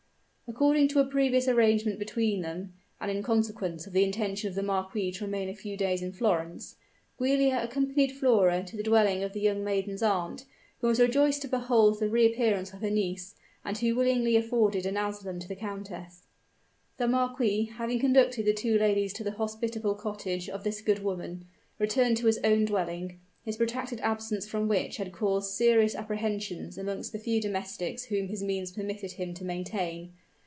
According to a previous arrangement between them, and in consequence of the intention of the marquis to remain a few days in Florence, Giulia accompanied Flora to the dwelling of the young maiden's aunt, who was rejoiced to behold the reappearance of her niece, and who willingly afforded an asylum to the countess. The marquis, having conducted the two ladies to the hospitable cottage of this good woman, returned to his own dwelling, his protracted absence from which had caused serious apprehensions amongst the few domestics whom his means permitted him to maintain.